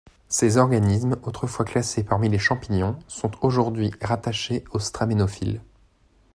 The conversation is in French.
Ces organismes autrefois classés parmi les champignons sont aujourd'hui rattachés aux straménopiles.